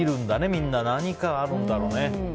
みんな何かがあるんだろうね。